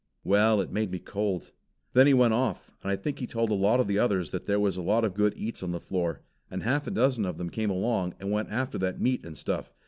Well, it made me cold. Then he went off, and I think he told a lot of the others that there was a lot of good eats on the floor, and half a dozen of them came along, and went after that meat and stuff.